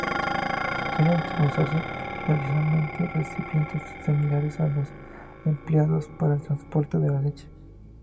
Suelen usarse tradicionalmente recipientes similares a los empleados para el transporte de la leche.